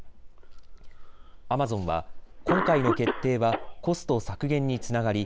アマゾンは今回の決定はコスト削減につながり